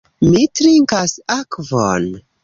Mi trinkas akvon.